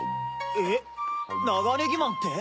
えっナガネギマンって？